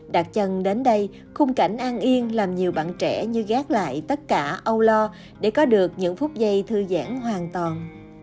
đặt chân đến đây khung cảnh an yên làm nhiều bạn trẻ như gác lại tất cả âu lo để có được những phút giây thư giãn hoàn toàn